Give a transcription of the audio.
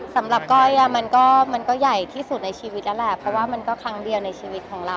ก้อยมันก็ใหญ่ที่สุดในชีวิตแล้วแหละเพราะว่ามันก็ครั้งเดียวในชีวิตของเรา